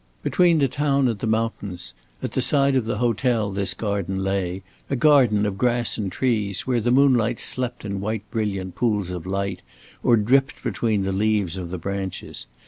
Between the town and the mountains, at the side of the hotel this garden lay, a garden of grass and trees, where the moonlight slept in white brilliant pools of light, or dripped between the leaves of the branches.